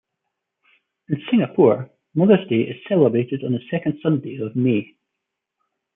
In Singapore, Mother's Day is celebrated on the second Sunday of May.